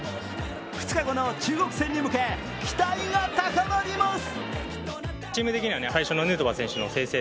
２日後の中国戦に向け期待が高まります。